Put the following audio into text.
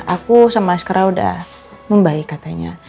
aku sama sekarang udah membaik katanya